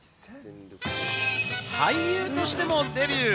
俳優としてもデビュー。